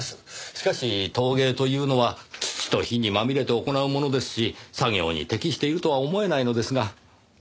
しかし陶芸というのは土と火にまみれて行うものですし作業に適しているとは思えないのですが。